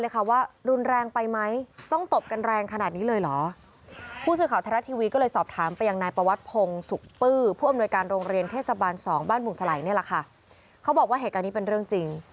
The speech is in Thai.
เขาบอกว่าเหตุการณ์นี้เป็นเรื่องจริง